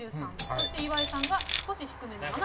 そして岩井さんが少し低めの７９。